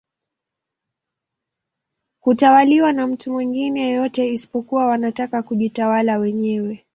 Kutawaliwa na mtu mwingine yoyote isipokuwa wanataka kujitawala wenyewe